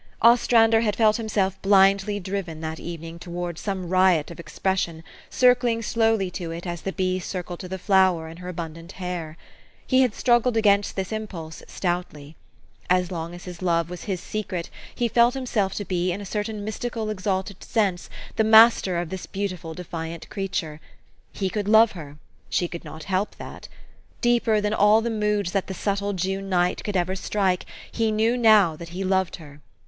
Ostrander had felt himself blindly driven, that evening, towards some riot of expression, circling slowly to it as the bee circled to the flower in her abundant hair. He had struggled against this im pulse stoutly. As long as his love was his secret, he felt himself to be, in a certain mystical, exalted sense, the master of this beautiful, defiant creature. He could love her. /She could not help that. Deeper than all the moods that the subtle June night could ever strike, he knew now that he loved her.